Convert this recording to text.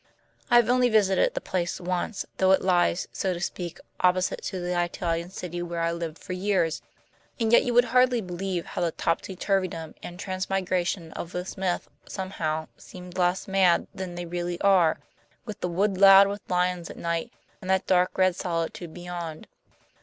I have only visited the place once, though it lies, so to speak, opposite to the Italian city where I lived for years, and yet you would hardly believe how the topsy turvydom and transmigration of this myth somehow seemed less mad than they really are, with the wood loud with lions at night and that dark red solitude beyond.